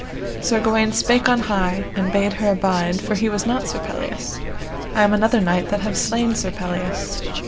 Sir Gawaine spake on high, and bade her abide, for he was not Sir Pelleas; I am another knight that have slain Sir Pelleas.